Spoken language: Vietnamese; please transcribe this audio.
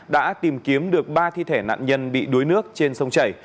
đã tìm kiếm được ba thi thể nạn nhân bị đuối nước trên sông chảy